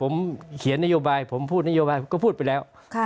ผมเขียนนโยบายผมพูดนโยบายผมก็พูดไปแล้ว